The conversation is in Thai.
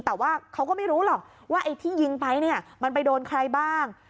แต่ว่าเขาก็ไม่รู้หรอกว่าไอ้ที่ยิงไปเนี่ยมันไปโดนใครบ้าง